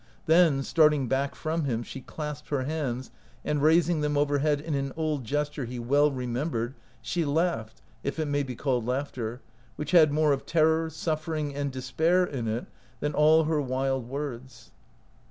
Then, starting back from him, she clasped her hands, and, raising them overhead in an old gesture he well re membered, she laughed, if it may be called laughter, which had more of terror, suffering, and despair in it than all her wild words.